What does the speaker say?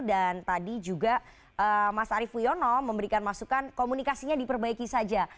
dan tadi juga mas arief puyono memberikan masukan komunikasinya diperbaiki saja